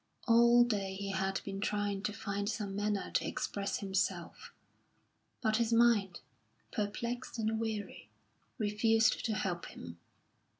All day he had been trying to find some manner to express himself, but his mind, perplexed and weary, refused to help him.